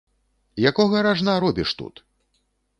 Якога ражна робіш тут?